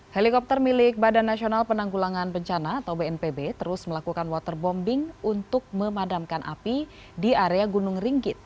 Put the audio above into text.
helikopter milik badan nasional penanggulangan bencana atau bnpb terus melakukan waterbombing untuk memadamkan api di area gunung ringgit